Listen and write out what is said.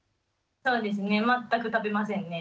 そうですね全く食べませんね。